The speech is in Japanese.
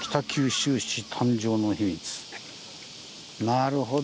なるほど。